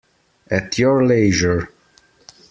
At your leisure.